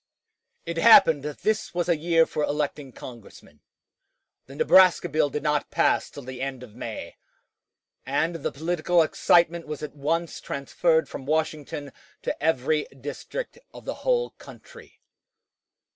It happened that this was a year for electing Congressmen. The Nebraska bill did not pass till the end of May, and the political excitement was at once transferred from Washington to every district of the whole country.